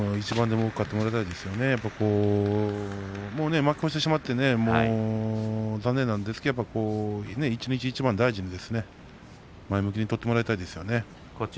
もう負け越してしまって残念なんですが一日一番大事に前向きに取ってもらいたいですね。